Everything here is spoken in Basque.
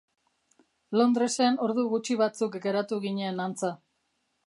Londresen ordu gutxi batzuk geratu ginen antza.